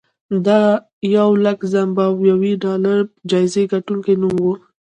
دا د یولک زیمبابويي ډالرو جایزې ګټونکي نوم و.